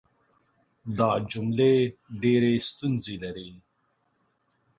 دا جملې ډېرې ستونزې لري.